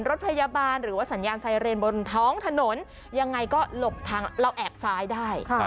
รถพยาบาลหรือว่าสัญญาณไซเรนบนท้องถนนยังไงก็หลบทางเราแอบซ้ายได้